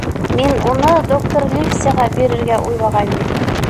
— Мин уны доктор Ливсиға бирергә уйлағайным...